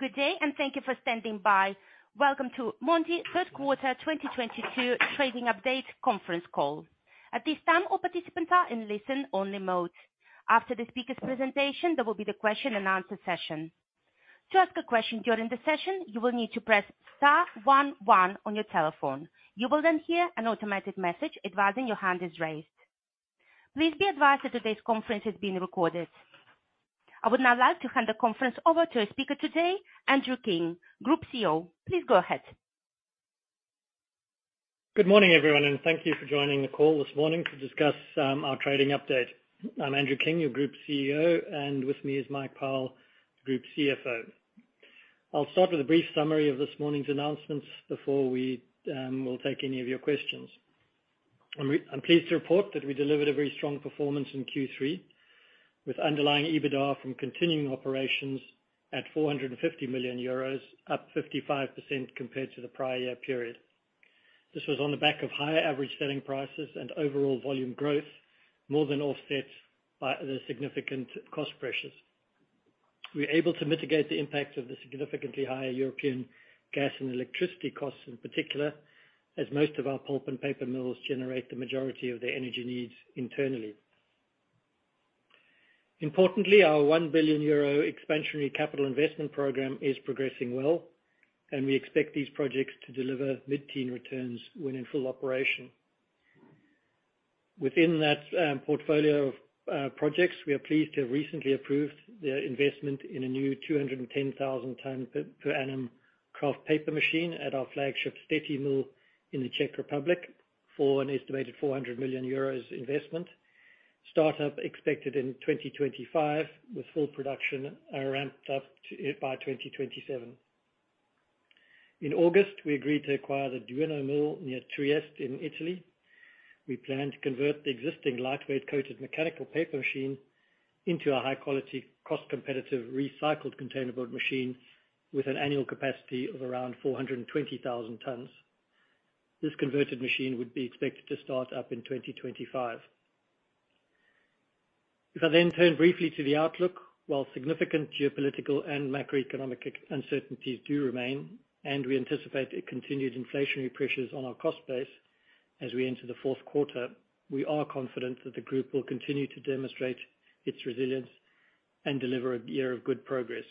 Good day, and thank you for standing by. Welcome to Mondi Third Quarter 2022 Trading Update conference call. At this time, all participants are in listen only mode. After the speaker's presentation, there will be the question and answer session. To ask a question during the session, you will need to press star one one on your telephone. You will then hear an automatic message advising your hand is raised. Please be advised that today's conference is being recorded. I would now like to hand the conference over to our speaker today, Andrew King, Group CEO. Please go ahead. Good morning, everyone, and thank you for joining the call this morning to discuss our trading update. I'm Andrew King, your Group CEO, and with me is Mike Powell, Group CFO. I'll start with a brief summary of this morning's announcements before we will take any of your questions. I'm pleased to report that we delivered a very strong performance in Q3 with underlying EBITDA from continuing operations at 450 million euros, up 55% compared to the prior year period. This was on the back of higher average selling prices and overall volume growth, more than offset by the significant cost pressures. We're able to mitigate the impact of the significantly higher European gas and electricity costs in particular, as most of our pulp and paper mills generate the majority of their energy needs internally. Importantly, our 1 billion euro expansionary capital investment program is progressing well, and we expect these projects to deliver mid-teen returns when in full operation. Within that portfolio of projects, we are pleased to have recently approved the investment in a new 210,000 tons per annum kraft paper machine at our flagship Štětí mill in the Czech Republic for an estimated 400 million euros investment. Startup expected in 2025, with full production ramped up by 2027. In August, we agreed to acquire the Duino mill near Trieste in Italy. We plan to convert the existing lightweight coated mechanical paper machine into a high quality, cost competitive, recycled containerboard machine with an annual capacity of around 420,000 tons. This converted machine would be expected to start up in 2025. If I then turn briefly to the outlook. While significant geopolitical and macroeconomic uncertainties do remain, and we anticipate a continued inflationary pressures on our cost base as we enter the fourth quarter, we are confident that the group will continue to demonstrate its resilience and deliver a year of good progress.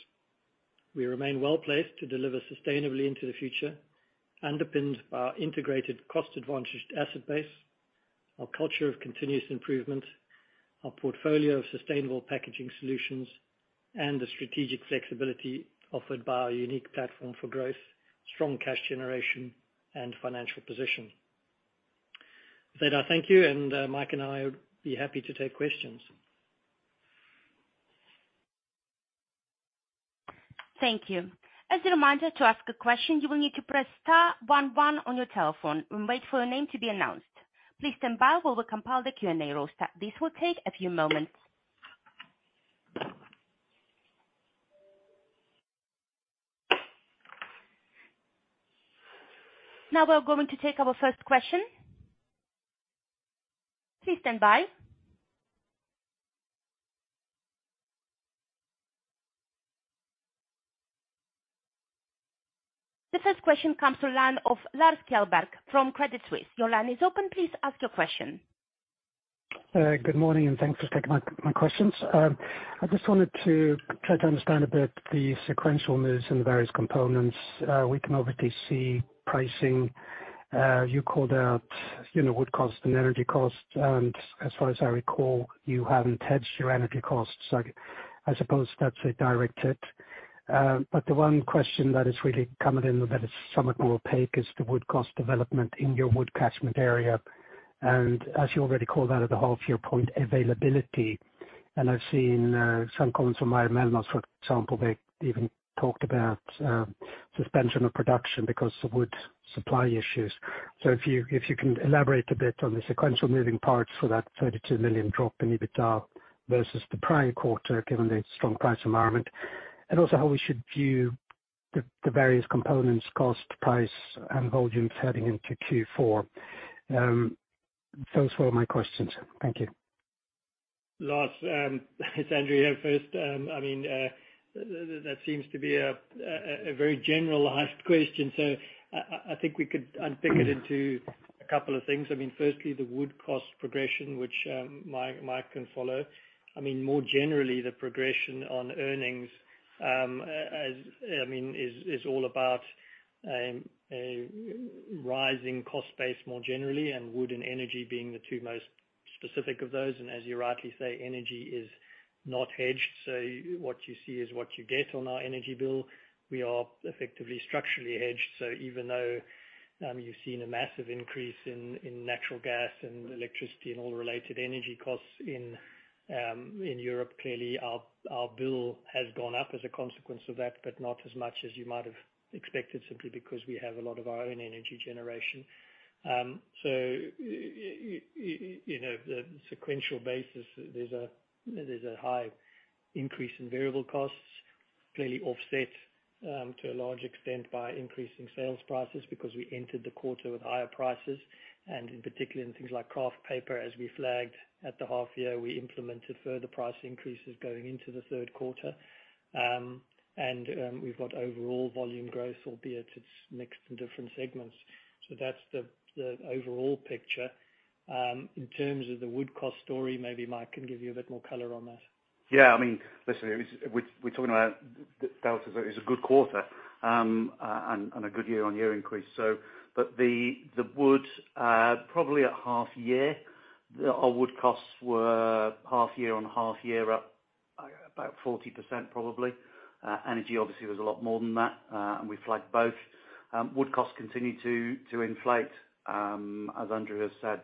We remain well-placed to deliver sustainably into the future, underpinned by our integrated cost advantage asset base, our culture of continuous improvement, our portfolio of sustainable packaging solutions, and the strategic flexibility offered by our unique platform for growth, strong cash generation, and financial position. With that, I thank you, and Mike and I would be happy to take questions. Thank you. As a reminder, to ask a question, you will need to press star one one on your telephone and wait for your name to be announced. Please stand by while we compile the Q&A roster. This will take a few moments. Now, we're going to take our first question. Please stand by. The first question comes from the line of Lars Kjellberg from Credit Suisse. Your line is open. Please ask your question. Good morning, and thanks for taking my questions. I just wanted to try to understand a bit the sequential moves in the various components. We can obviously see pricing. You called out, you know, wood cost and energy cost, and as far as I recall, you haven't hedged your energy costs. I suppose that's a direct hit. The one question that has really come in a bit somewhat more opaque is the wood cost development in your wood catchment area. As you already called out at the half year point, availability, and I've seen some comments from Mayr-Melnhof, for example. They even talked about suspension of production because of wood supply issues. If you can elaborate a bit on the sequential moving parts for that 32 million drop in EBITDA versus the prior quarter, given the strong price environment. Also how we should view the various components, cost, price, and volumes heading into Q4. Those were my questions. Thank you. Lars, it's Andrew here. First, I mean, that seems to be a very generalized question. I think we could unpick it into a couple of things. I mean, firstly, the wood cost progression, which Mike can follow. I mean, more generally, the progression on earnings, as I mean is all about a rising cost base more generally, and wood and energy being the two most specific of those. As you rightly say, energy is not hedged. What you see is what you get on our energy bill. We are effectively structurally hedged. Even though you've seen a massive increase in natural gas and electricity and all the related energy costs in Europe, clearly our bill has gone up as a consequence of that, but not as much as you might have expected, simply because we have a lot of our own energy generation. You know, the sequential basis, there's a high increase in variable costs. Clearly offset to a large extent by increasing sales prices because we entered the quarter with higher prices and in particular in things like kraft paper as we flagged at the half year, we implemented further price increases going into the third quarter. And we've got overall volume growth, albeit it's mixed in different segments. That's the overall picture. In terms of the wood cost story, maybe Mike can give you a bit more color on that. Yeah, I mean, listen, we're talking about the delta is a good quarter and a good year-on-year increase. The wood, probably at half year, our wood costs were half year on half year up, about 40% probably. Energy obviously was a lot more than that, and we flagged both. Wood costs continue to inflate, as Andrew has said.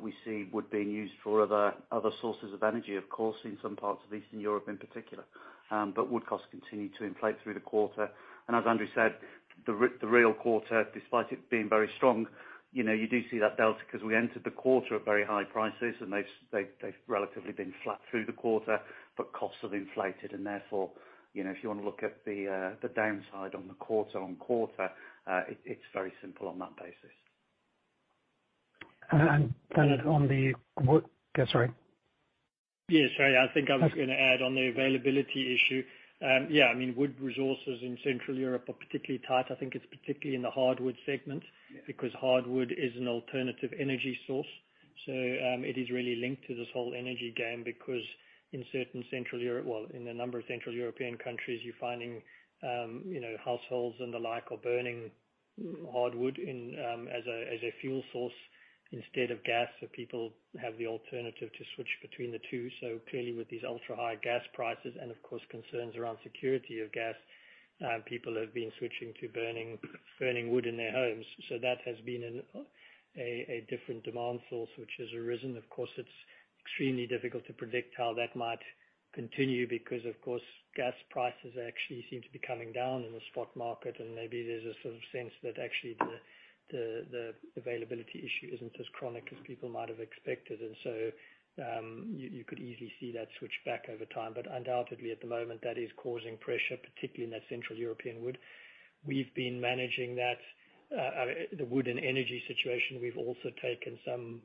We see wood being used for other sources of energy, of course, in some parts of Eastern Europe in particular. Wood costs continue to inflate through the quarter. As Andrew said, the real quarter, despite it being very strong, you know, you do see that delta 'cause we entered the quarter at very high prices and they've relatively been flat through the quarter, but costs have inflated and therefore, you know, if you wanna look at the downside on the quarter-on-quarter, it's very simple on that basis. Yeah, sorry. Yeah, sorry. I think I was gonna add on the availability issue. Yeah, I mean, wood resources in Central Europe are particularly tight. I think it's particularly in the hardwood segment. Yeah. Because hardwood is an alternative energy source. It is really linked to this whole energy game because in certain Central Europe, well, in a number of Central European countries, you're finding, you know, households and the like are burning hardwood in, as a fuel source instead of gas. People have the alternative to switch between the two. Clearly with these ultra-high gas prices and of course concerns around security of gas, people have been switching to burning wood in their homes. That has been a different demand source which has arisen. Of course, it's extremely difficult to predict how that might continue because of course, gas prices actually seem to be coming down in the spot market and maybe there's a sort of sense that actually the availability issue isn't as chronic as people might have expected. You could easily see that switch back over time. Undoubtedly at the moment, that is causing pressure, particularly in that Central European wood. We've been managing that, the wood and energy situation. We've also taken some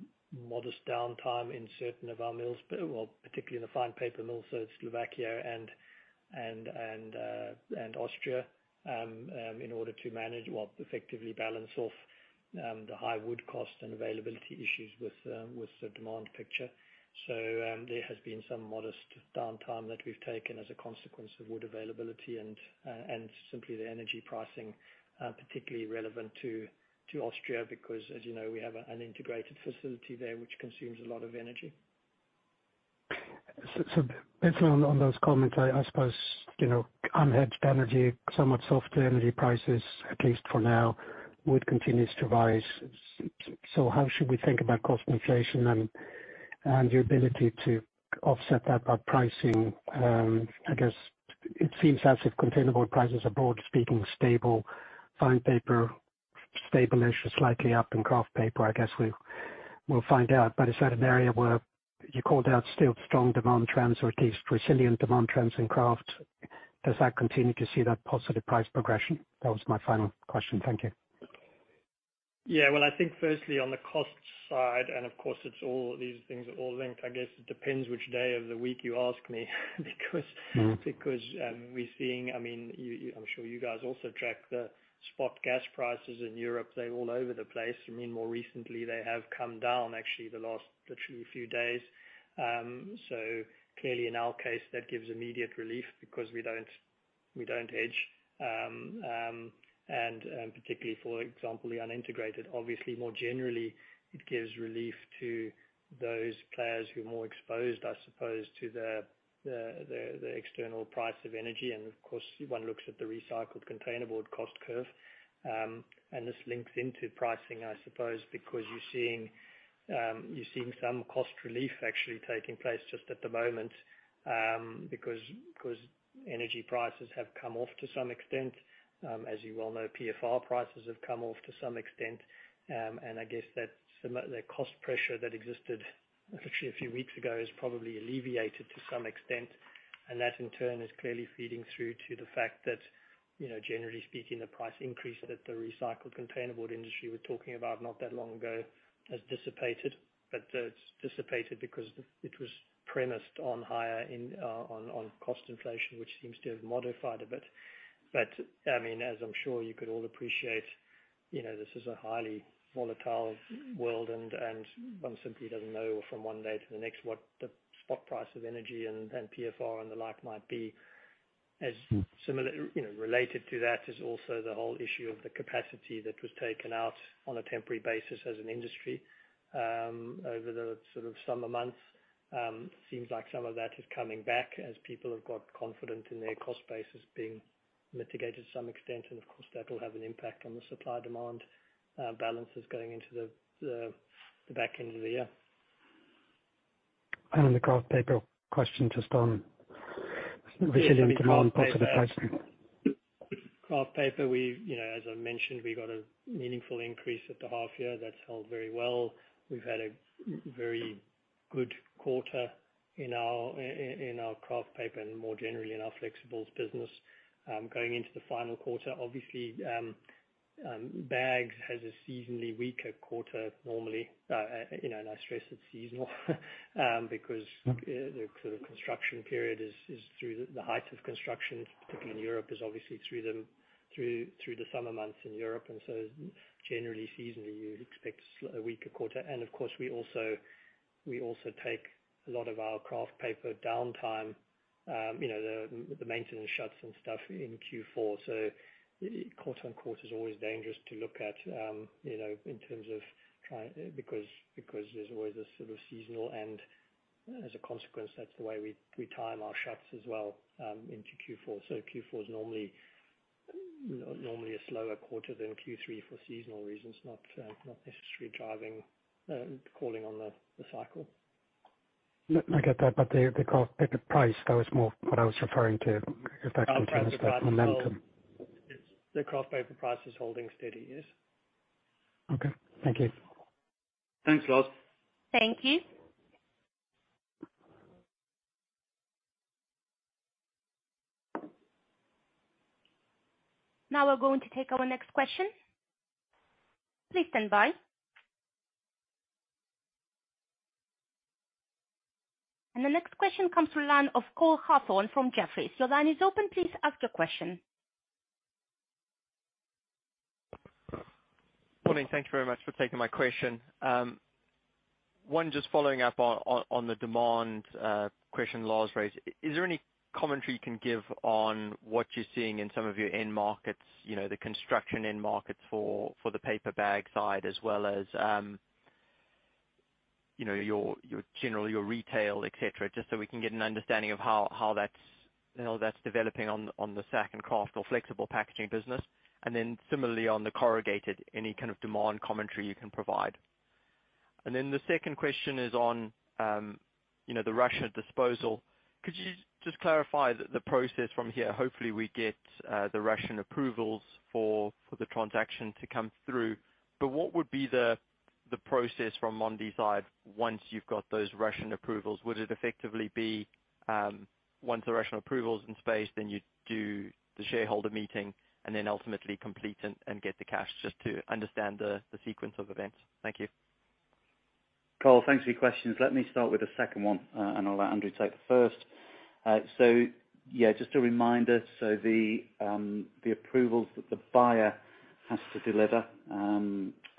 modest downtime in certain of our mills, particularly in the fine paper mills, so it's Slovakia and Austria, in order to manage what effectively balance off, the high wood cost and availability issues with the demand picture. There has been some modest downtime that we've taken as a consequence of wood availability and simply the energy pricing, particularly relevant to Austria because as you know, we have an integrated facility there which consumes a lot of energy. Based on those comments, I suppose, you know, unhedged energy, somewhat softer energy prices, at least for now, wood continues to rise. How should we think about cost inflation and your ability to offset that by pricing? I guess it seems as if containerboard prices are broadly speaking stable, fine paper stable, if not slightly up in kraft paper. I guess we'll find out. Is that an area where you called out still strong demand trends or at least resilient demand trends in kraft? Does that continue to see that positive price progression? That was my final question. Thank you. Yeah. Well, I think firstly on the cost side, and of course it's all, these things are all linked. I guess it depends which day of the week you ask me because. Mm-hmm. Because we're seeing, I mean, I'm sure you guys also track the spot gas prices in Europe. They're all over the place. I mean, more recently they have come down actually the last literally few days. Clearly in our case that gives immediate relief because we don't hedge. Particularly for example the unintegrated obviously more generally it gives relief to those players who are more exposed I suppose to the external price of energy. Of course one looks at the recycled containerboard cost curve. This links into pricing I suppose because you're seeing some cost relief actually taking place just at the moment, because 'cause energy prices have come off to some extent. As you well know PFR prices have come off to some extent. I guess that some of the cost pressure that existed literally a few weeks ago is probably alleviated to some extent. That in turn is clearly feeding through to the fact that, you know, generally speaking the price increase that the recycled containerboard industry we're talking about not that long ago has dissipated. It's dissipated because it was premised on higher cost inflation which seems to have modified a bit. I mean, as I'm sure you could all appreciate, you know, this is a highly volatile world and one simply doesn't know from one day to the next what the spot price of energy and PFR and the like might be. Mm. You know, related to that is also the whole issue of the capacity that was taken out on a temporary basis as an industry over the sort of summer months. Seems like some of that is coming back as people have got confident in their cost basis being mitigated to some extent. Of course that will have an impact on the supply demand balances going into the back end of the year. On the kraft paper question, just on resilient demand, positive pricing. Kraft paper, you know, as I mentioned, we got a meaningful increase at the half year. That's held very well. We've had a very good quarter in our kraft paper and more generally in our flexibles business. Going into the final quarter, obviously, bags has a seasonally weaker quarter normally. You know, and I stress it's seasonal because- Mm-hmm The sort of construction period is through the height of construction in Europe is obviously through the summer months in Europe. Generally, seasonally you expect a weaker quarter. Of course, we also take a lot of our kraft paper downtime, the maintenance shuts and stuff in Q4. Quarter-on-quarter is always dangerous to look at, because there's always a sort of seasonal, and as a consequence, that's the way we time our shuts as well into Q4. Q4 is normally a slower quarter than Q3 for seasonal reasons, not necessarily driving, calling on the cycle. No, I get that, but the kraft paper price, that was more what I was referring to if that's- Kraft paper price kind of momentum. The kraft paper price is holding steady, yes. Okay. Thank you. Thanks, Lars. Thank you. Now we're going to take our next question. Please stand by. The next question comes from the line of Cole Hathorn from Jefferies. Your line is open. Please ask your question. Morning. Thank you very much for taking my question. One, just following up on the demand question Lars raised. Is there any commentary you can give on what you're seeing in some of your end markets, you know, the construction end markets for the paper bag side as well as you know, your general, your retail, et cetera, just so we can get an understanding of how that's you know, that's developing on the sack and kraft or flexible packaging business? Then similarly on the corrugated, any kind of demand commentary you can provide. Then the second question is on you know, the Russia disposal. Could you just clarify the process from here? Hopefully, we get the Russian approvals for the transaction to come through. What would be the process from Mondi's side once you've got those Russian approvals? Would it effectively be once the Russian approval is in place, then you do the shareholder meeting and then ultimately complete and get the cash just to understand the sequence of events? Thank you. Cole, thanks for your questions. Let me start with the second one, and I'll let Andrew take the first. Yeah, just a reminder. The approvals that the buyer has to deliver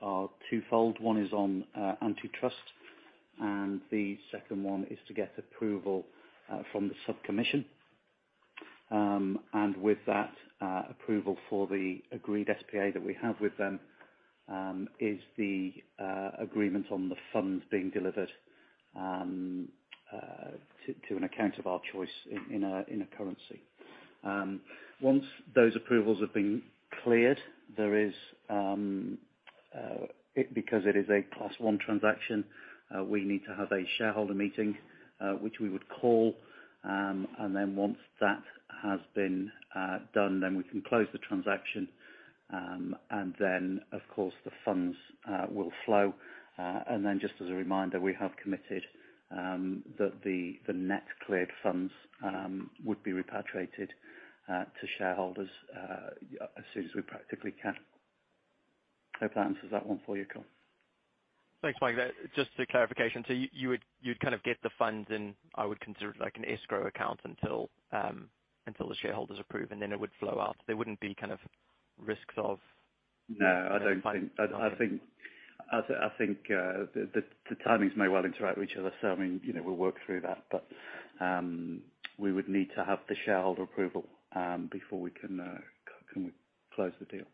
are twofold. One is on antitrust, and the second one is to get approval from the sub-commission. And with that approval for the agreed SPA that we have with them is the agreement on the funds being delivered to an account of our choice in a currency. Once those approvals have been cleared, because it is a Class 1 transaction, we need to have a shareholder meeting, which we would call, and then once that has been done, then we can close the transaction. Of course the funds will flow. Just as a reminder, we have committed that the net cleared funds would be repatriated to shareholders as soon as we practically can. Hope that answers that one for you, Cole. Thanks, Mike. Just a clarification. You would kind of get the funds in, I would consider it like an escrow account until the shareholders approve, and then it would flow out. There wouldn't be kind of risks of. No, I think the timings may well interact with each other. I mean, you know, we'll work through that. We would need to have the shareholder approval before we can close the deal.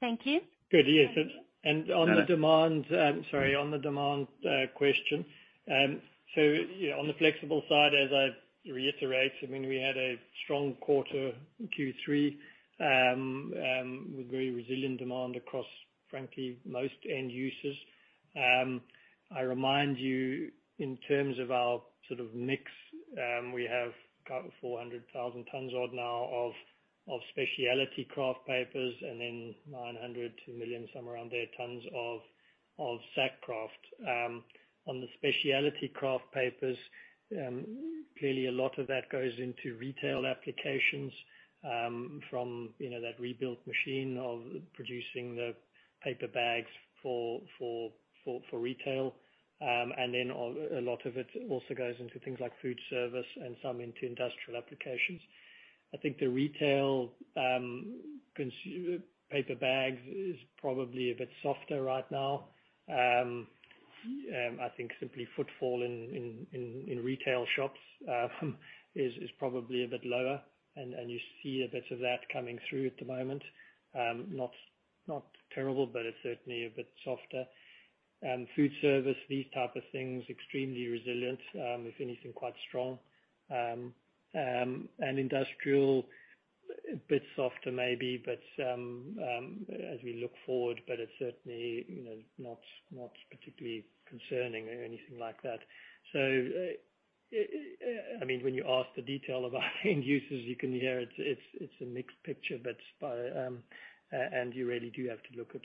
Yep. Thank you. Good. Yes. On the demand- Go ahead. Sorry. On the demand question. On the flexible side, as I reiterate, I mean, we had a strong quarter in Q3 with very resilient demand across frankly most end users. I remind you in terms of our sort of mix, we have about 400,000 tons odd now of specialty kraft papers and then 900,000-1,000,000, somewhere around there, tons of sack kraft. On the specialty kraft papers, clearly a lot of that goes into retail applications, from you know that rebuilt machine of producing the paper bags for retail. A lot of it also goes into things like food service and some into industrial applications. I think the retail paper bags is probably a bit softer right now. I think simply footfall in retail shops is probably a bit lower and you see a bit of that coming through at the moment. Not terrible, but it's certainly a bit softer. Food service, these type of things, extremely resilient, if anything, quite strong. Industrial. A bit softer maybe, but as we look forward, it's certainly, you know, not particularly concerning or anything like that. I mean, when you ask the detail of our end users, you can hear it's a mixed picture, but you really do have to look at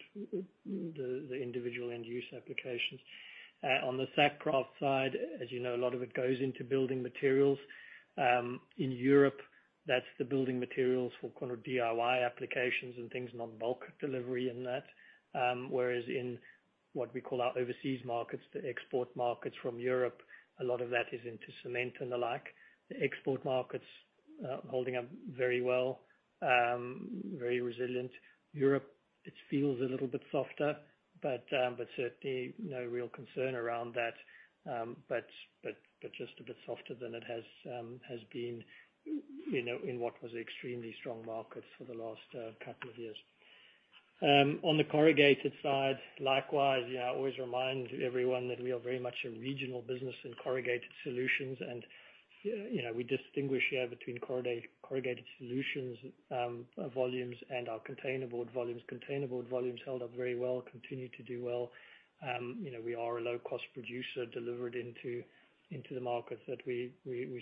the individual end use applications. On the sack kraft side, as you know, a lot of it goes into building materials. In Europe, that's the building materials for kind of DIY applications and things, not bulk delivery in that. Whereas in what we call our overseas markets, the export markets from Europe, a lot of that is into cement and the like. The export markets holding up very well, very resilient. Europe, it feels a little bit softer, but just a bit softer than it has been, you know, in what was extremely strong markets for the last couple of years. On the corrugated side, likewise, yeah, I always remind everyone that we are very much a regional business in corrugated solutions. You know, we distinguish, yeah, between corrugated solutions volumes and our containerboard volumes. Containerboard volumes held up very well, continue to do well. You know, we are a low-cost producer delivered into the markets that we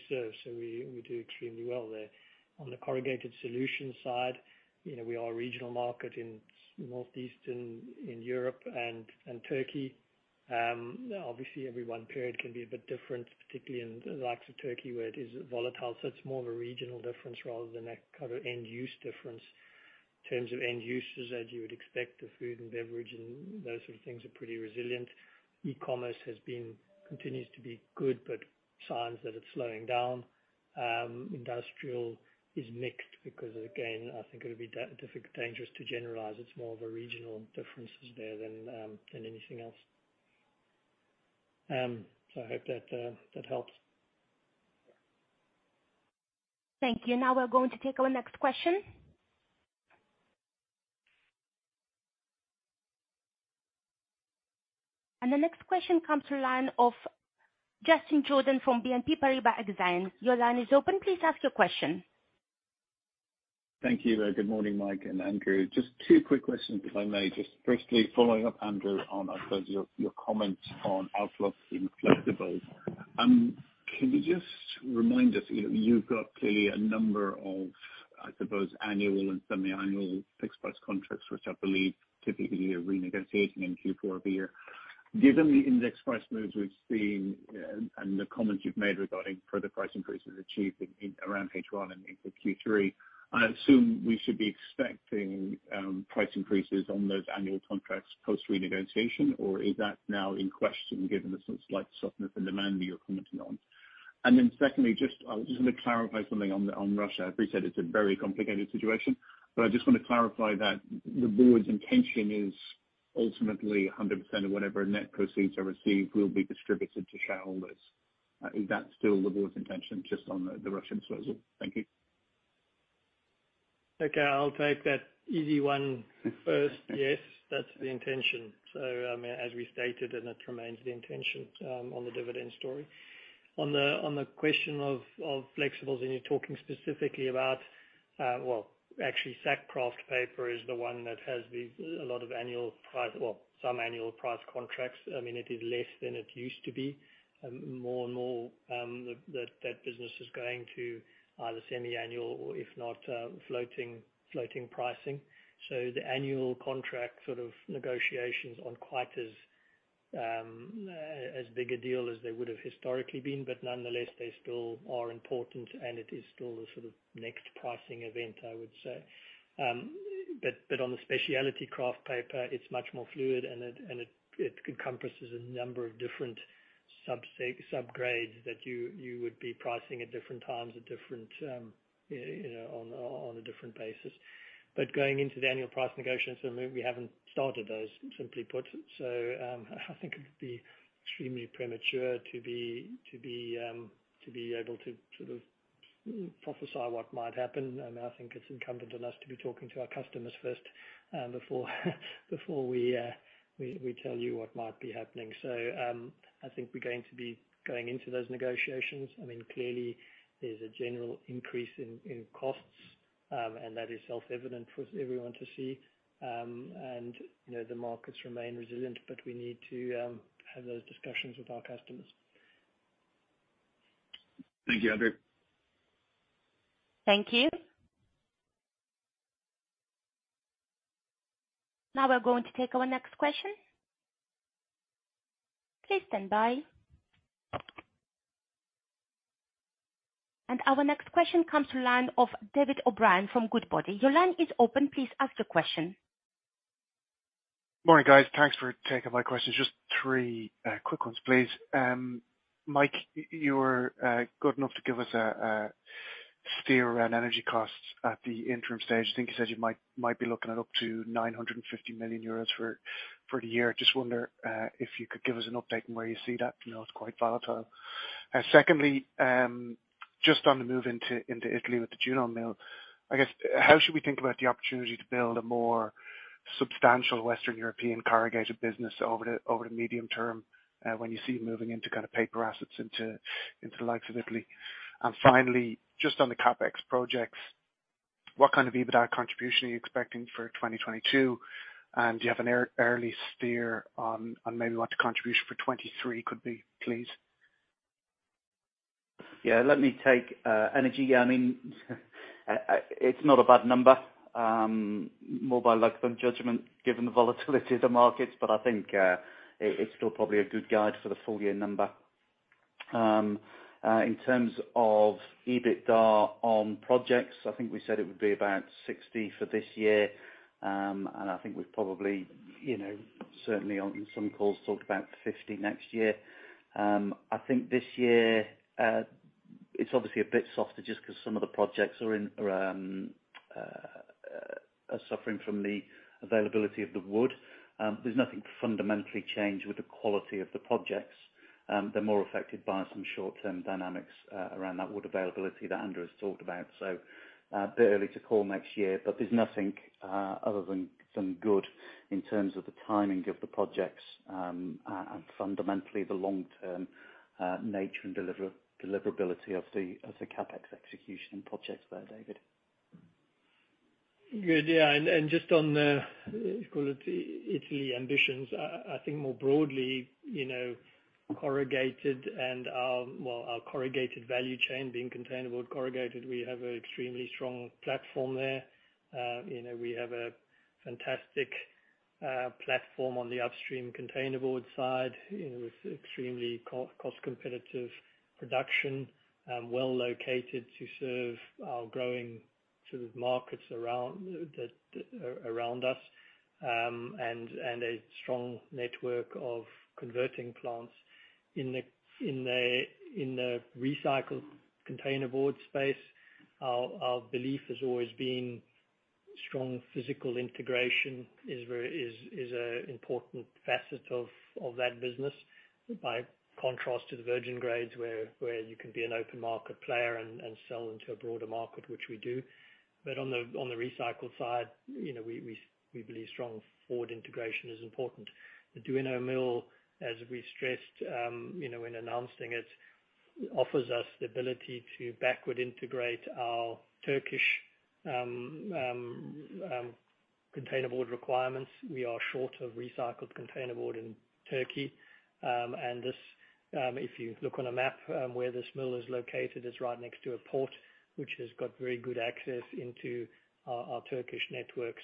serve, so we do extremely well there. On the corrugated solutions side, you know, we are a regional market in Northeastern Europe and Turkey. Obviously every one period can be a bit different, particularly in the likes of Turkey where it is volatile, so it's more of a regional difference rather than a kind of end use difference. In terms of end users, as you would expect, the food and beverage and those sort of things are pretty resilient. E-commerce has been, continues to be good, but signs that it's slowing down. Industrial is mixed because again, I think it would be difficult, dangerous to generalize. It's more of a regional differences there than anything else. So I hope that helps. Thank you. Now we're going to take our next question. The next question comes from the line of Justin Jordan from BNP Paribas Exane. Your line is open. Please ask your question. Thank you. Good morning, Mike and Andrew. Just two quick questions, if I may. Just firstly, following up, Andrew, on, I suppose your comment on outlook in flexibles. Can you just remind us, you know, you've got clearly a number of, I suppose annual and semiannual fixed price contracts which I believe typically you're renegotiating in Q4 of the year. Given the index price moves we've seen and the comments you've made regarding further price increases achieved in, around Q1 and into Q3, I assume we should be expecting price increases on those annual contracts post renegotiation, or is that now in question given the sort of slight softness in demand that you're commenting on? Secondly, just, I just want to clarify something on Russia. I appreciate it's a very complicated situation, but I just want to clarify that the board's intention is ultimately 100% of whatever net proceeds are received will be distributed to shareholders. Is that still the board's intention just on the Russian proposal? Thank you. Okay. I'll take that easy one first. Yes, that's the intention. I mean, as we stated, and it remains the intention on the dividend story. On the question of flexibles, and you're talking specifically about, well, actually sack kraft paper is the one that has a lot of annual price, some annual price contracts. I mean, it is less than it used to be. More and more, that business is going to either semiannual or if not, floating pricing. The annual contract sort of negotiations aren't quite as big a deal as they would've historically been, but nonetheless, they still are important and it is still the sort of next pricing event, I would say. On the specialty kraft paper, it's much more fluid and it encompasses a number of different sub grades that you would be pricing at different times at different, you know, on a different basis. Going into the annual price negotiations, I mean, we haven't started those simply put, so I think it would be extremely premature to be able to sort of prophesy what might happen. I think it's incumbent on us to be talking to our customers first, before we tell you what might be happening. I think we're going to be going into those negotiations. I mean, clearly there's a general increase in costs, and that is self-evident for everyone to see. You know, the markets remain resilient, but we need to have those discussions with our customers. Thank you, Andrew. Thank you. Now we're going to take our next question. Please stand by. Our next question comes from the line of David O'Brien from Goodbody. Your line is open. Please ask your question. Morning, guys. Thanks for taking my questions. Just three quick ones, please. Mike, you were good enough to give us a steer around energy costs at the interim stage. I think you said you might be looking at up to 950 million euros for the year. Just wonder if you could give us an update on where you see that. You know, it's quite volatile. Secondly, just on the move into Italy with the Duino mill, I guess how should we think about the opportunity to build a more substantial Western European corrugated business over the medium term, when you see moving into kind of paper assets into the likes of Italy. Finally, just on the CapEx projects, what kind of EBITDA contribution are you expecting for 2022?Do you have an early steer on maybe what the contribution for 2023 could be, please? Yeah. Let me take energy. I mean, it's not a bad number, more by luck than judgment, given the volatility of the markets. I think it's still probably a good guide for the full year number. In terms of EBITDA on projects, I think we said it would be about 60 for this year. I think we've probably, you know, certainly on some calls talked about 50 next year. I think this year, it's obviously a bit softer just 'cause some of the projects are suffering from the availability of the wood. There's nothing fundamentally changed with the quality of the projects. They're more affected by some short-term dynamics around that wood availability that Andrew has talked about. Bit early to call next year. There's nothing other than some good in terms of the timing of the projects, and fundamentally the long-term nature and deliverability of the CapEx execution and projects there, David. Good. Yeah. Just on the Italy ambitions, I think more broadly, you know, corrugated and well, our corrugated value chain being containerboard corrugated, we have an extremely strong platform there. You know, we have a fantastic platform on the upstream containerboard side, you know, with extremely cost competitive production, well located to serve our growing sort of markets around us, and a strong network of converting plants. In the recycled containerboard space, our belief has always been strong physical integration is very an important facet of that business, by contrast to the virgin grades where you can be an open market player and sell into a broader market, which we do. On the recycled side, you know, we believe strong forward integration is important. The Duino mill, as we stressed, you know, when announcing it, offers us the ability to backward integrate our Turkish containerboard requirements. We are short of recycled containerboard in Turkey. This, if you look on a map, where this mill is located, it's right next to a port, which has got very good access into our Turkish network.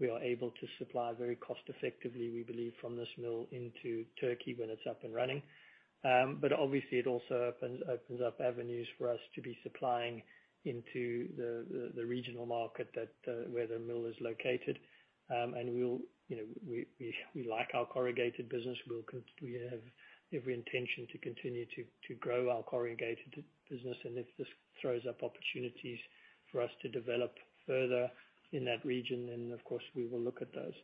We are able to supply very cost-effectively, we believe, from this mill into Turkey when it's up and running. Obviously it also opens up avenues for us to be supplying into the regional market where the mill is located. We'll, you know, we like our corrugated business. We have every intention to continue to grow our corrugated business, and if this throws up opportunities for us to develop further in that region, then of course we will look at those.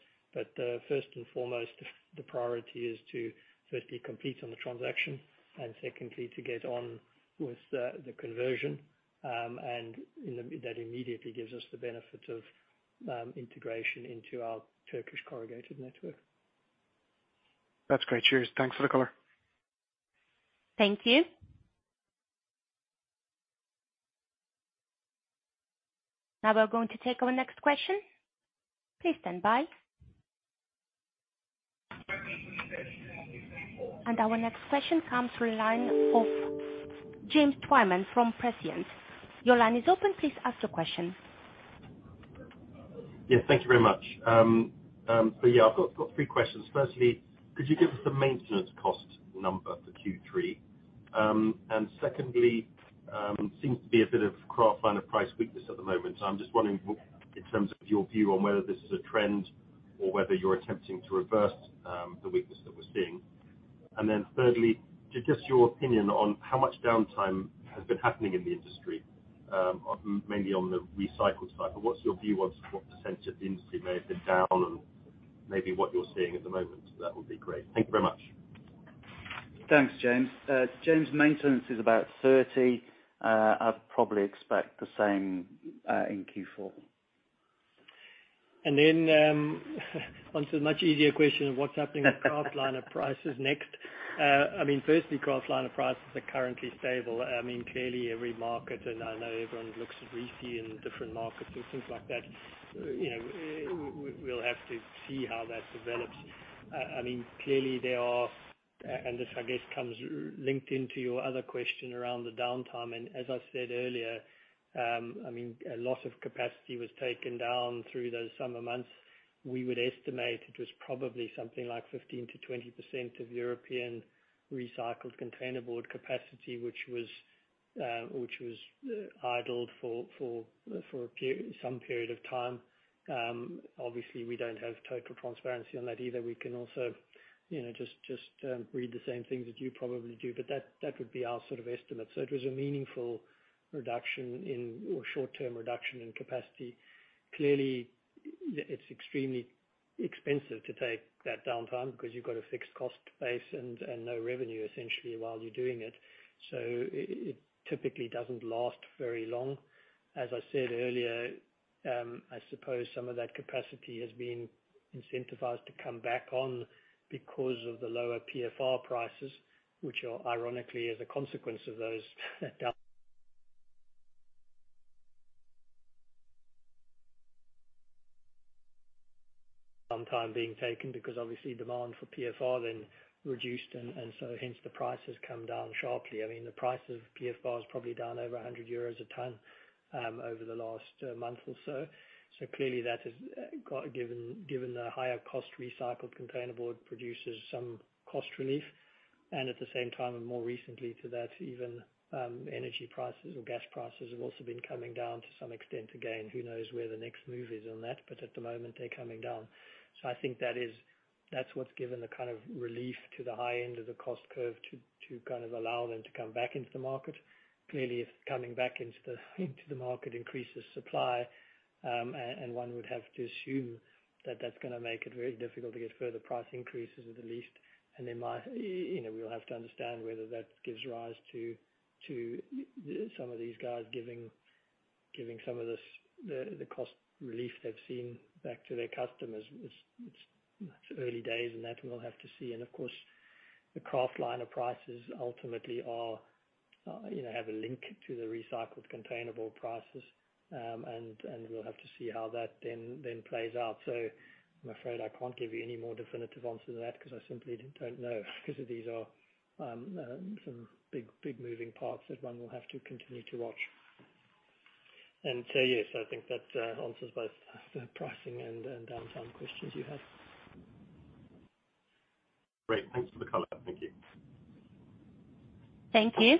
First and foremost, the priority is to firstly complete on the transaction and secondly to get on with the conversion. That immediately gives us the benefit of integration into our Turkish corrugated network. That's great. Cheers. Thanks for the color. Thank you. Now we're going to take our next question. Please stand by. Our next question comes through the line of James Twyman from Prescient. Your line is open. Please ask your question. Yeah, thank you very much. I've got three questions. Firstly, could you give us the maintenance cost number for Q3? Secondly, it seems to be a bit of kraftliner price weakness at the moment. I'm just wondering in terms of your view on whether this is a trend or whether you're attempting to reverse the weakness that we're seeing. Thirdly, just your opinion on how much downtime has been happening in the industry, mainly on the recycled side. What's your view on what percentage of the industry may have been down and maybe what you're seeing at the moment? That would be great. Thank you very much. Thanks, James. James, maintenance is about 30. I'd probably expect the same in Q4. Then onto the much easier question of what's happening with kraftliner prices next. I mean, firstly, kraftliner prices are currently stable. I mean, clearly every market, and I know everyone looks risky in different markets and things like that, you know, we'll have to see how that develops. I mean, clearly there are, and this, I guess, comes linked into your other question around the downtime. As I said earlier, I mean, a lot of capacity was taken down through those summer months. We would estimate it was probably something like 15%-20% of European recycled containerboard capacity, which was idled for some period of time. Obviously we don't have total transparency on that either. We can also, you know, just read the same things that you probably do. That would be our sort of estimate. It was a meaningful reduction in, or short-term reduction in capacity. Clearly, it's extremely expensive to take that downtime because you've got a fixed cost base and no revenue essentially while you're doing it. It typically doesn't last very long. As I said earlier, I suppose some of that capacity has been incentivized to come back on because of the lower PFR prices, which are ironically as a consequence of those downtime being taken because obviously demand for PFR then reduced, and so hence the price has come down sharply. I mean the price of PFR is probably down over 100 euros a ton, over the last month or so. Clearly that has given the higher cost recycled containerboard produces some cost relief. At the same time, and more recently to that, even, energy prices or gas prices have also been coming down to some extent. Again, who knows where the next move is on that, but at the moment, they're coming down. I think that is that's what's given the kind of relief to the high end of the cost curve to kind of allow them to come back into the market. Clearly, it's coming back into the market increases supply. And one would have to assume that that's gonna make it very difficult to get further price increases at the least. They might, you know, we'll have to understand whether that gives rise to some of these guys giving some of this, the cost relief they've seen back to their customers. It's early days, and that we'll have to see. Of course, the kraftliner prices ultimately are, you know, have a link to the recycled containerboard prices. We'll have to see how that then plays out. I'm afraid I can't give you any more definitive answer to that because I simply don't know because these are some big moving parts that one will have to continue to watch. Yes, I think that answers both the pricing and downtime questions you had. Great. Thanks for the color. Thank you. Thank you.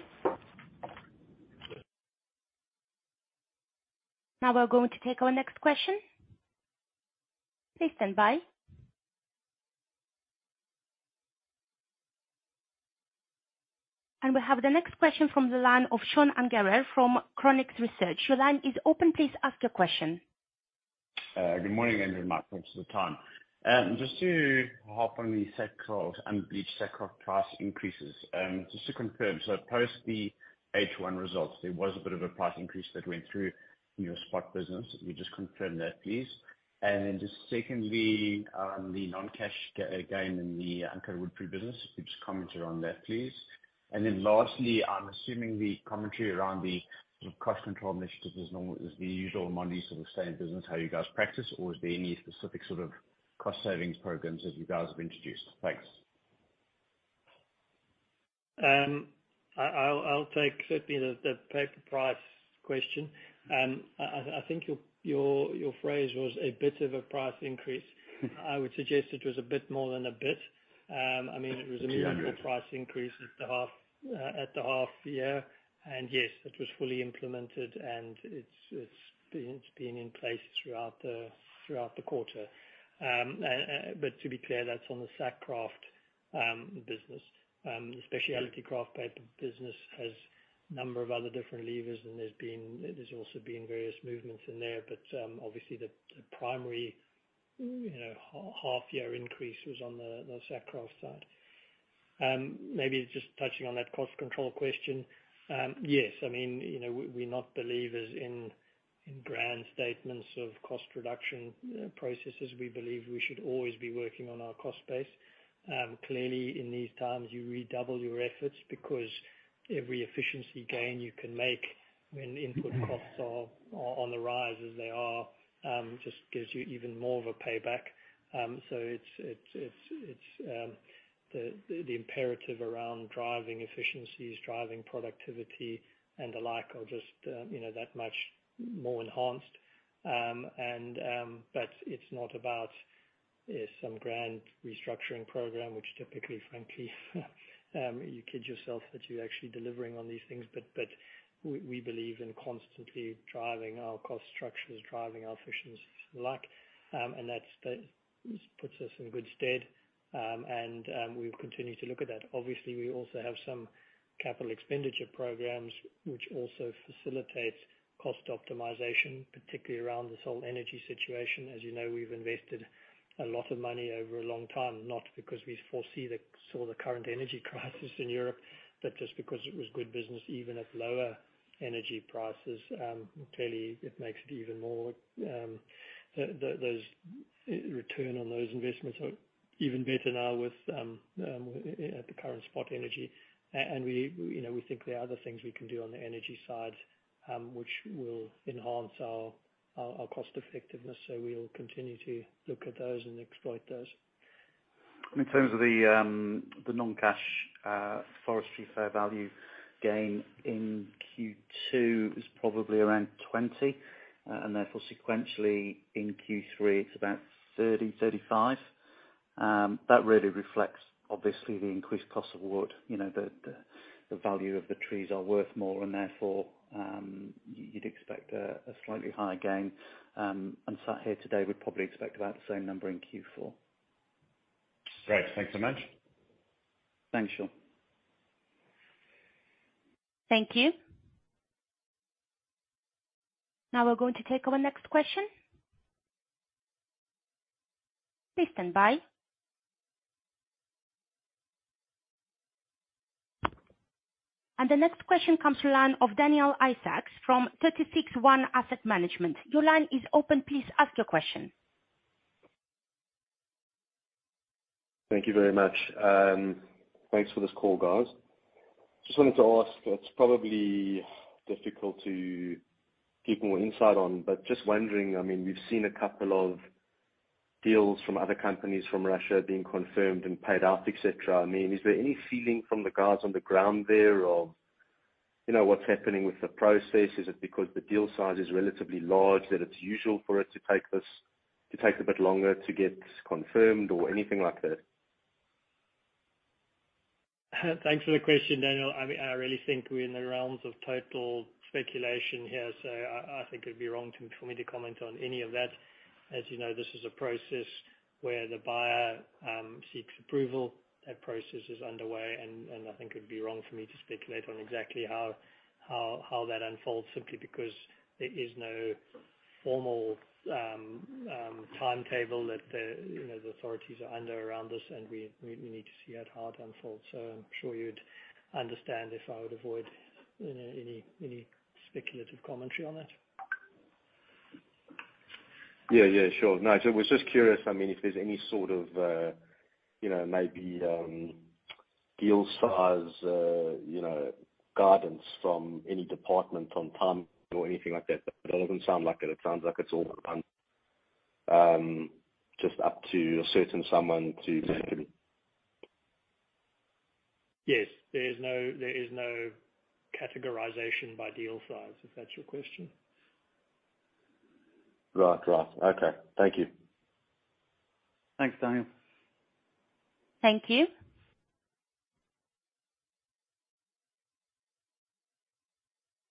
Now, we're going to take our next question. Please stand by. We have the next question from the line of Sean Ungerer from Chronux Research. Your line is open. Please ask your question. Good morning, everyone. Thanks for the time. Just to hop on the sack kraft and bleach sack kraft price increases. Just to confirm, so post the H1 results, there was a bit of a price increase that went through your spot business. Can you just confirm that, please? Just secondly, the non-cash gain in the Uncoated Free Business, if you just commented on that, please. Lastly, I'm assuming the commentary around the sort of cost control initiatives is the usual sort of stay in business, how you guys practice, or is there any specific sort of cost savings programs that you guys have introduced? Thanks. I'll take certainly the paper price question. I think your phrase was a bit of a price increase. I would suggest it was a bit more than a bit. I mean. Yeah. It was a meaningful price increase at the half year. Yes, it was fully implemented and it's been in place throughout the quarter. To be clear, that's on the sack kraft business. The specialty kraft paper business has a number of other different levers, and there's also been various movements in there. Obviously the primary, you know, half year increase was on the sack kraft side. Maybe just touching on that cost control question. Yes. I mean, you know, we're not believers in grand statements of cost reduction processes. We believe we should always be working on our cost base. Clearly, in these times, you redouble your efforts because every efficiency gain you can make when input costs are on the rise as they are, just gives you even more of a payback. It's the imperative around driving efficiencies, driving productivity and the like are just, you know, that much more enhanced. It's not about some grand restructuring program, which typically, frankly, you kid yourself that you're actually delivering on these things. We believe in constantly driving our cost structures, driving our efficiencies and the like, and that's that puts us in good stead. We'll continue to look at that. Obviously, we also have some capital expenditure programs which also facilitates cost optimization, particularly around this whole energy situation. As you know, we've invested a lot of money over a long time, not because we saw the current energy crisis in Europe, but just because it was good business, even at lower energy prices. Clearly, it makes it even more. Those return on those investments are even better now with the current spot energy. We, you know, we think there are other things we can do on the energy side, which will enhance our cost effectiveness. We'll continue to look at those and exploit those. In terms of the non-cash forestry fair value gain in Q2 is probably around 20, and therefore sequentially in Q3 it's about 30-35. That really reflects obviously the increased cost of wood. You know, the value of the trees are worth more and therefore, you'd expect a slightly higher gain. Sat here today, we'd probably expect about the same number in Q4. Great. Thanks so much. Thanks, Sean. Thank you. Now, we're going to take our next question. Please stand by. The next question comes to line of Daniel Isaacs from 36ONE Asset Management. Your line is open. Please ask your question. Thank you very much. Thanks for this call, guys. Just wanted to ask, it's probably difficult to give more insight on, but just wondering, I mean, we've seen a couple of deals from other companies from Russia being confirmed and paid out, et cetera. I mean, is there any feeling from the guys on the ground there or, you know, what's happening with the process? Is it because the deal size is relatively large that it's usual for it to take a bit longer to get confirmed or anything like that? Thanks for the question, Daniel. I mean, I really think we're in the realms of total speculation here. I think it'd be wrong for me to comment on any of that. As you know, this is a process where the buyer seeks approval. That process is underway, and I think it'd be wrong for me to speculate on exactly how that unfolds, simply because there is no formal timetable that the, you know, the authorities are under around this, and we need to see how it unfolds. I'm sure you'd understand if I would avoid any speculative commentary on it. Yeah, yeah, sure. No, was just curious, I mean, if there's any sort of, you know, maybe, deal size, you know, guidance from any department on time or anything like that. But it doesn't sound like it. It sounds like it's all, just up to a certain someone to Yes. There is no categorization by deal size, if that's your question. Right. Right. Okay. Thank you. Thanks, Daniel. Thank you.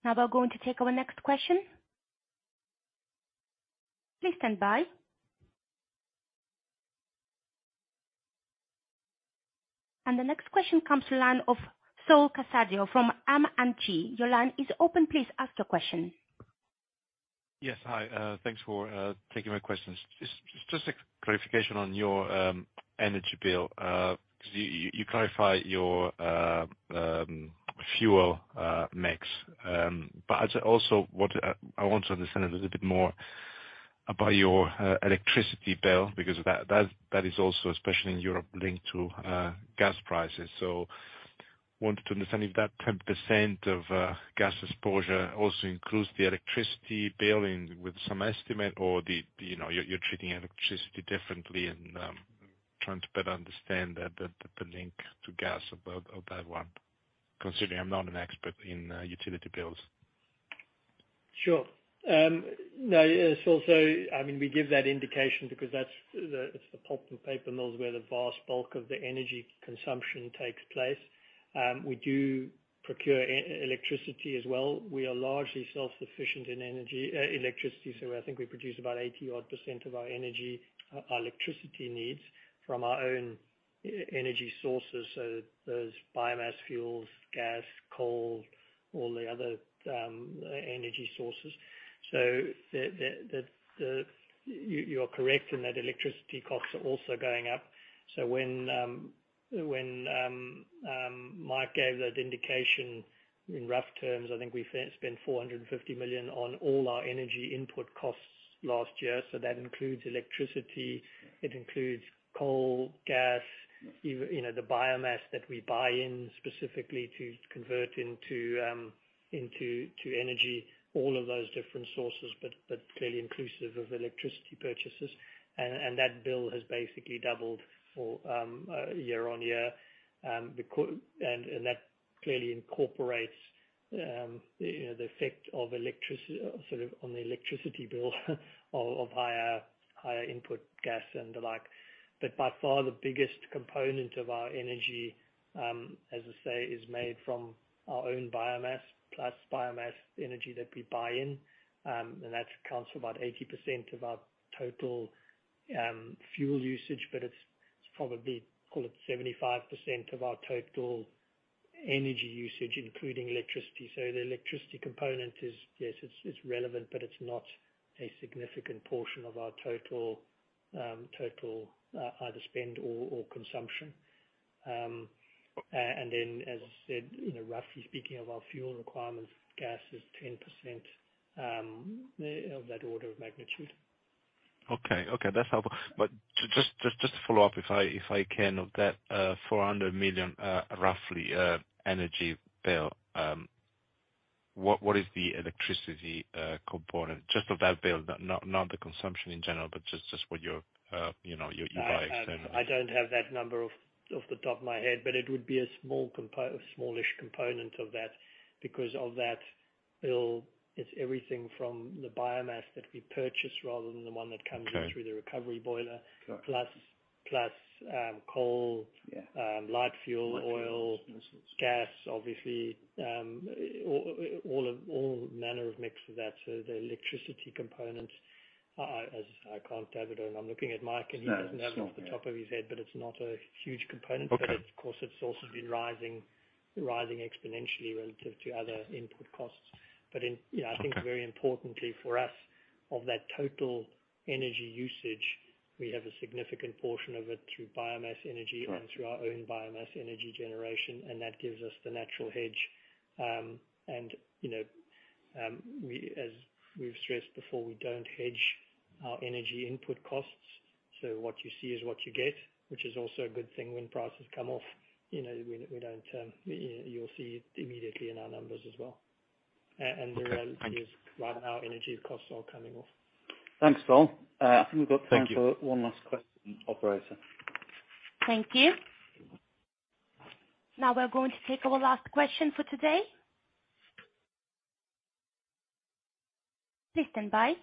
Now we're going to take our next question. Please stand by. The next question comes from the line of Saul Casadio from M&G. Your line is open. Please ask your question. Yes. Hi. Thanks for taking my questions. Just a clarification on your energy bill, 'cause you clarified your fuel mix. But I'd also want to understand a little bit more about your electricity bill, because that is also especially in Europe, linked to gas prices. Wanted to understand if that 10% of gas exposure also includes the electricity billing with some estimate or the, you know, you're treating electricity differently and trying to better understand the link to gas of that one, considering I'm not an expert in utility bills. Sure. No, it's also I mean, we give that indication because that's the pulp and paper mills where the vast bulk of the energy consumption takes place. We do procure electricity as well. We are largely self-sufficient in energy, electricity, so I think we produce about 80-odd percent of our energy, our electricity needs from our own energy sources. Those biomass fuels, gas, coal, all the other energy sources. You are correct in that electricity costs are also going up. When Mike gave that indication in rough terms, I think we spent 450 million on all our energy input costs last year. That includes electricity. It includes coal, gas, even, you know, the biomass that we buy in specifically to convert into energy, all of those different sources, but clearly inclusive of electricity purchases. That bill has basically doubled year-on-year. That clearly incorporates, you know, the effect of electricity sort of on the electricity bill of higher input gas and the like. By far the biggest component of our energy, as I say, is made from our own biomass plus biomass energy that we buy in. That accounts for about 80% of our total fuel usage, but it's probably, call it 75% of our total energy usage, including electricity. The electricity component is, yes, it's relevant, but it's not a significant portion of our total either spend or consumption. As I said, you know, roughly speaking of our fuel requirements, gas is 10% of that order of magnitude. Okay. Okay, that's helpful. Just to follow up if I can, of that roughly 400 million energy bill, what is the electricity component? Just of that bill, not the consumption in general, but just what, you know, you buy externally. I don't have that number off the top of my head, but it would be a smallish component of that. Because of that bill, it's everything from the biomass that we purchase rather than the one that comes in. Okay. through the recovery boiler. Sure. Plus. Yeah. light fuel oil. Light fuel oils. Gas, obviously. All manner of mix of that. The electricity component, I as I can't have it, and I'm looking at Mike and he doesn't have it off the top of his head, but it's not a huge component. Okay. Of course it's also been rising exponentially relative to other input costs. I think very importantly for us, of that total energy usage we have a significant portion of it through biomass energy Sure. and through our own biomass energy generation, and that gives us the natural hedge. As we've stressed before, we don't hedge our energy input costs, so what you see is what you get, which is also a good thing when prices come off. You'll see it immediately in our numbers as well. The reality is- Okay. Thank you. right now, energy costs are coming off. Thanks, Saul. I think we've got time for one last question, operator. Thank you. Now we're going to take our last question for today. Please stand by.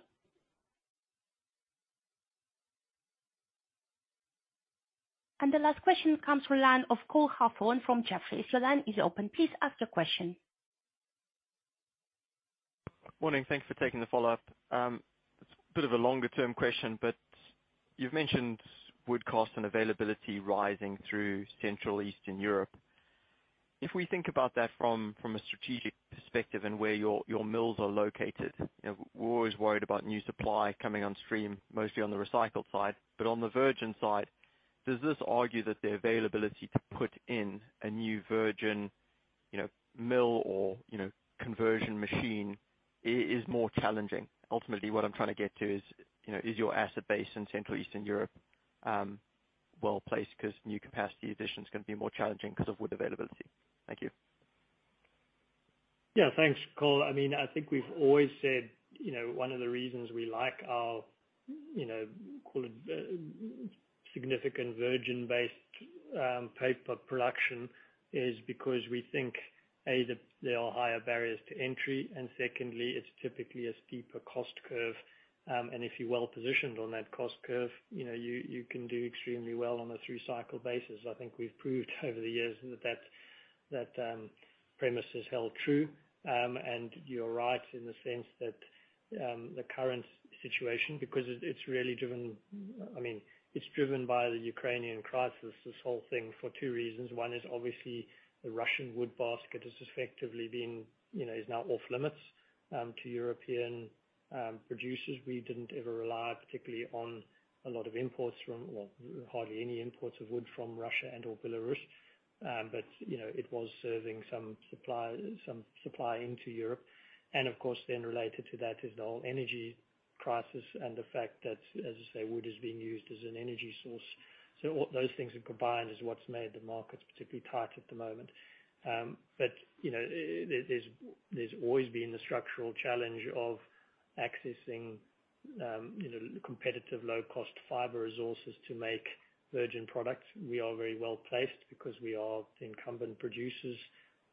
The last question comes from line of Cole Hathorn from Jefferies. Your line is open. Please ask your question. Morning. Thanks for taking the follow-up. It's a bit of a longer-term question, but you've mentioned wood cost and availability rising through Central Eastern Europe. If we think about that from a strategic perspective and where your mills are located, you know, we're always worried about new supply coming on stream, mostly on the recycled side. But on the virgin side, does this argue that the availability to put in a new virgin, you know, mill or, you know, conversion machine is more challenging? Ultimately, what I'm trying to get to is, you know, is your asset base in Central Eastern Europe well-placed 'cause new capacity additions can be more challenging 'cause of wood availability. Thank you. Yeah. Thanks, Cole. I mean, I think we've always said, you know, one of the reasons we like our, you know, call it, significant virgin-based paper production, is because we think, A, that there are higher barriers to entry, and secondly, it's typically a steeper cost curve. If you're well positioned on that cost curve, you know, you can do extremely well on a through-cycle basis. I think we've proved over the years that premise has held true. You're right in the sense that the current situation, because it's really driven, I mean, it's driven by the Ukrainian crisis, this whole thing, for two reasons. One is obviously the Russian wood basket has effectively been, you know, is now off-limits to European producers. We didn't ever rely particularly on a lot of imports from Well, hardly any imports of wood from Russia and/or Belarus. You know, it was serving some supply into Europe. Of course then related to that is the whole energy crisis and the fact that, as I say, wood is being used as an energy source. All those things are combined is what's made the markets particularly tight at the moment. You know, there's always been the structural challenge of accessing, you know, competitive low-cost fiber resources to make virgin products. We are very well-placed because we are the incumbent producers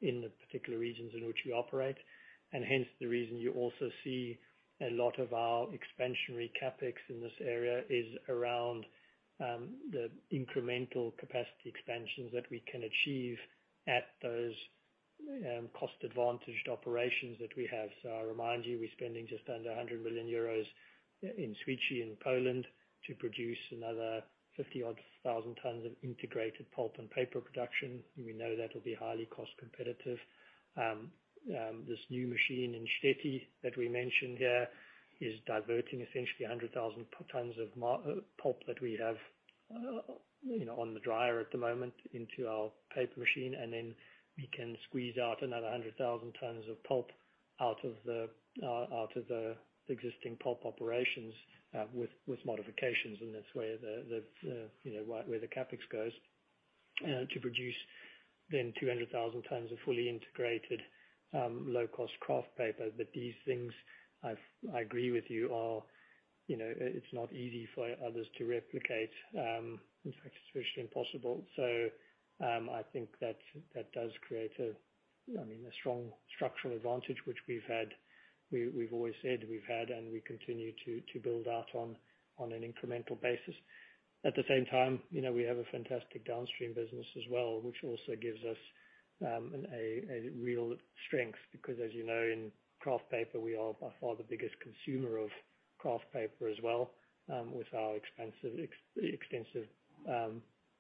in the particular regions in which we operate, and hence the reason you also see a lot of our expansionary CapEx in this area is around, the incremental capacity expansions that we can achieve at those, cost-advantaged operations that we have. I remind you, we're spending just under 100 million euros in Świecie in Poland to produce another 50,000 tons of integrated pulp and paper production, and we know that'll be highly cost competitive. This new machine in Štětí that we mentioned here is diverting essentially 100,000 tons of market pulp that we have, you know, on the market at the moment into our paper machine, and then we can squeeze out another 100,000 tons of pulp out of the existing pulp operations with modifications. That's where the CapEx goes, you know, to produce then 200,000 tons of fully integrated low-cost kraft paper. These things, I agree with you, are, you know. It's not easy for others to replicate. In fact, it's virtually impossible. I think that does create a, I mean, a strong structural advantage which we've had. We've always said we've had and we continue to build out on an incremental basis. At the same time, you know, we have a fantastic downstream business as well, which also gives us a real strength because as you know, in kraft paper we are by far the biggest consumer of kraft paper as well, with our extensive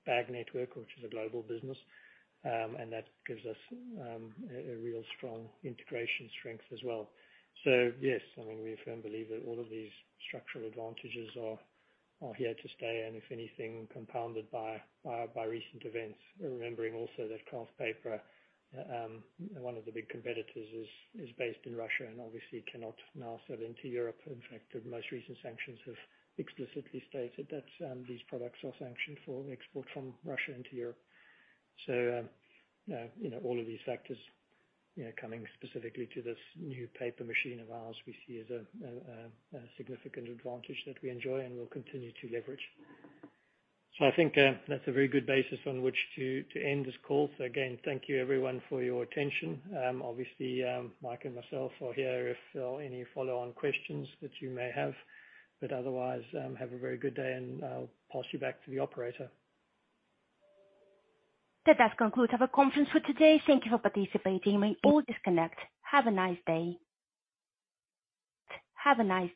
bag network, which is a global business. That gives us a real strong integration strength as well. Yes, I mean, we firmly believe that all of these structural advantages are here to stay and if anything, compounded by recent events. Remembering also that kraft paper, one of the big competitors is based in Russia and obviously cannot now sell into Europe. In fact, the most recent sanctions have explicitly stated that, these products are sanctioned for export from Russia into Europe. You know, all of these factors, you know, coming specifically to this new paper machine of ours, we see as a significant advantage that we enjoy and will continue to leverage. I think, that's a very good basis on which to end this call. Again, thank you everyone for your attention. Obviously, Mike and myself are here if, any follow-on questions that you may have. Otherwise, have a very good day and I'll pass you back to the operator. That does conclude our conference for today. Thank you for participating. You may all disconnect. Have a nice day. Have a nice day.